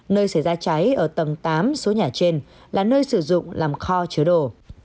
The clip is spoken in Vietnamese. nơi xảy ra cháy ở tầng tám số nhà trên là nơi sử dụng làm kho chứa đổ